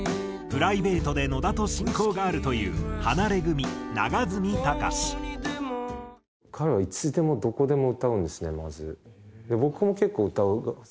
プライベートで野田と親交があるという彼はいつでもどこでも歌うんですねまず。